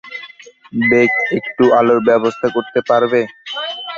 Bake, একটু আলোর ব্যবস্থা করতে পারবে?